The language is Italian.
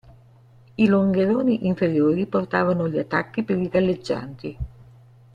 I longheroni inferiori portavano gli attacchi per i galleggianti.